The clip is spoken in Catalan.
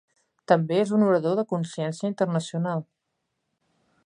També és un orador de consciència internacional.